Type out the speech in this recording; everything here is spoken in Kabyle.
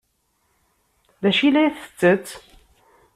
D acu ay la tettett?